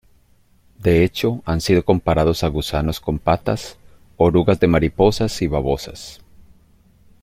De hecho, han sido comparados a gusanos con patas, orugas de mariposas y babosas.